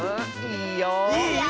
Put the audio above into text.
いいよ。